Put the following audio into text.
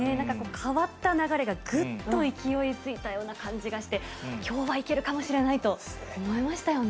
変わった流れがぐっと勢いづいたような感じがして、きょうはいけるかもしれないと思いましたよね。